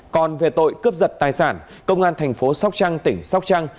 còn về tội cướp giật tài sản công an thành phố sóc trăng tỉnh sóc trăng